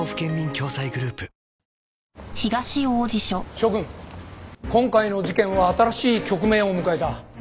諸君今回の事件は新しい局面を迎えた。